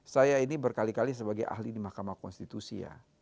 saya ini berkali kali sebagai ahli di mahkamah konstitusi ya